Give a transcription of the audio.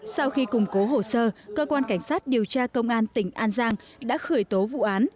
sau khi củng cố hồ sơ cơ quan cảnh sát điều tra công an tỉnh an giang đã khởi tố vụ án